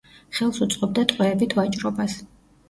ხელს უწყობდა ტყვეებით ვაჭრობას.